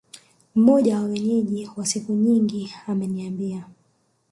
Mmoja wa Wenyeji wa siku nyingi ameniambia